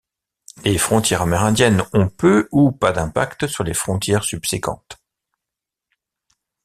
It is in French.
Les frontières amérindiennes ont peu ou pas d'impact sur les frontières subséquentes.